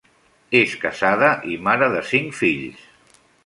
És casada i mare de cinc fills.